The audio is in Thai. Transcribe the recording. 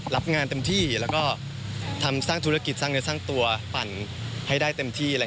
รับงานเต็มที่แล้วก็ทำสร้างธุรกิจสร้างเนื้อสร้างตัวปั่นให้ได้เต็มที่